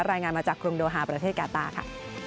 รายงานมาจากกรุงโดฮาประเทศกาต้าค่ะ